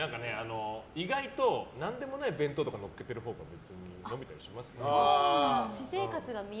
意外と何でもない弁当とか載っけてるほうが伸びたりしますよ。